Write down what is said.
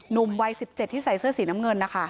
หนุ่มวัย๑๗ที่ใส่เสื้อสีน้ำเงินนะคะ